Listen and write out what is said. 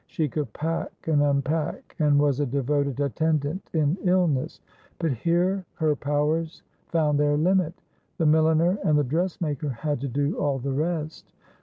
She could pack, and unpack, and was a devoted attendant in illness. But here her powers found their limit. The milliner and the dressmaker had to do all the rest.